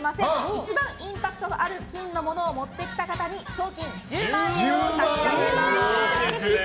一番、インパクトのある金のものを持ってきた方に賞金１０万円を差し上げます。